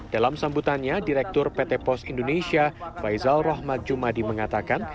dalam sambutannya direktur pt pos indonesia faizal rahmat jumadi mengatakan